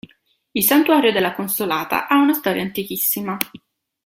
Il santuario della Consolata ha una storia antichissima.